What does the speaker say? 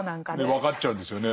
分かっちゃうんですよね。